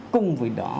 cùng với đó